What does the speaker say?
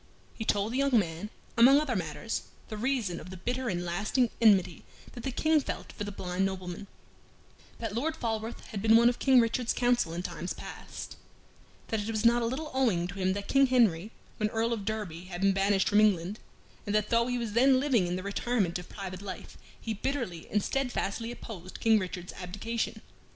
He told the young man, among other matters, the reason of the bitter and lasting enmity that the King felt for the blind nobleman: that Lord Falworth had been one of King Richard's council in times past; that it was not a little owing to him that King Henry, when Earl of Derby, had been banished from England, and that though he was then living in the retirement of private life, he bitterly and steadfastly opposed King Richard's abdication.